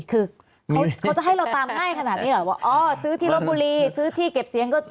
คือเขาจะให้เราตามง่ายขนาดนี้เหรอว่าอ๋อซื้อที่ลบบุรีซื้อที่เก็บเสียงก็